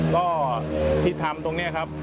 ก็ที่ทำตรงนี้ครับ